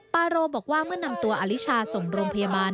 ปาโรบอกว่าเมื่อนำตัวอลิชาส่งโรงพยาบาล